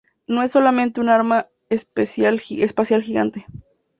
No es solamente un arma espacial gigante.